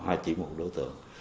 hay chỉ một đối tượng